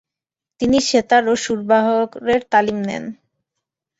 তিনি সেতার ও সুরবাহারের তালিম নেন।